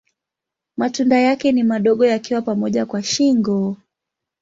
Matunda yake ni madogo yakiwa pamoja kwa shingo.